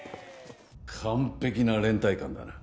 完璧な連帯感だな。